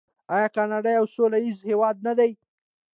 آیا کاناډا یو سوله ییز هیواد نه دی؟